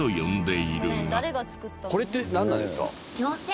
これってなんなんですか？